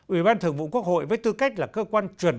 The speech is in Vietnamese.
ủy ban thượng vụ quốc hội với tư cách là cơ quan tổ chức cá nhân